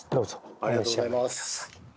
ありがとうございます。